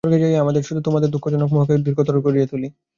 স্বর্গে যাইয়া আমরা শুধু আমাদের দুঃখজনক মোহকে দীর্ঘতর করিয়া তুলি।